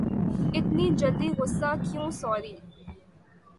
اتنی جلدی غصہ کیوں سوری